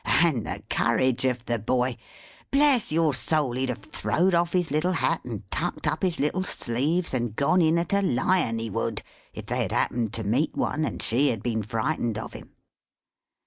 And the courage of the boy! Bless your soul, he'd have throwed off his little hat, and tucked up his little sleeves, and gone in at a Lion, he would, if they had happened to meet one, and she had been frightened of him.